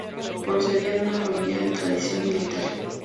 Procedía de una familia de tradición militar.